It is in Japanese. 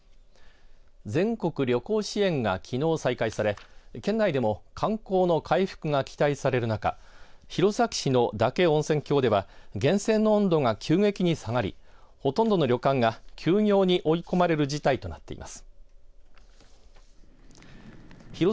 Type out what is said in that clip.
全国旅行支援が、きのう再開され県内でも観光の回復が期待される中弘前市の嶽温泉郷では源泉の温度が急激に下がりほとんどの旅館が休業に追い込まれる事態となっています。